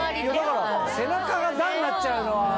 背中が段になっちゃうのは。